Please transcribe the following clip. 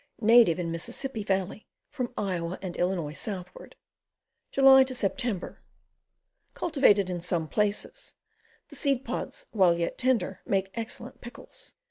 Native in Mississippi Valley from Iowa and 111. southward. July Sep. Cultivated in some places. The seed pods, while yet tender, make excellent pickles.